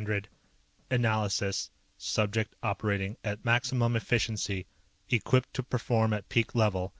_ "_Analysis: Subject operating at maximum efficiency. Equipped to perform at peak level.